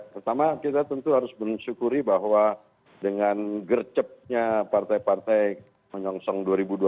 pertama kita tentu harus bersyukuri bahwa dengan gercepnya partai partai menyongsong dua ribu dua puluh empat